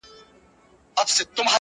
خدایه ته مل سې د ناروغانو،